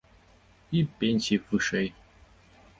І пенсіі б вышэй.